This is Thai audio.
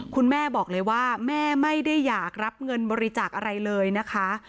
คุณแม่บอกเลยว่าแม่ไม่ได้อยากรับเงินบริจาคอะไรเลยนะคะ